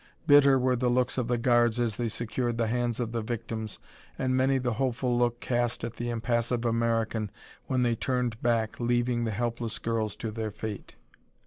Bitter were the looks of the guards as they secured the hands of the victims and many the hopeful look cast at the impassive American when they turned back, leaving the helpless girls to their fate.